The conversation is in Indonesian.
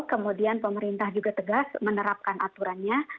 kemudian pemerintah juga tegas menerapkan aturannya